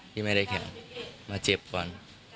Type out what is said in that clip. ที่ไม่ได้แข่งมาเจ็บก่อน